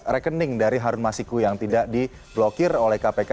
rekening dari harun masiku yang tidak diblokir oleh kpk